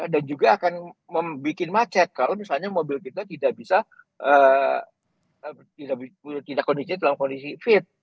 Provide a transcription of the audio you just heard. dan juga akan membuat macet kalau misalnya mobil kita tidak bisa tidak kondisinya dalam kondisi fit